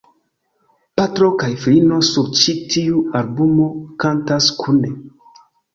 Patro kaj filino sur ĉi tiu albumo kantas kune.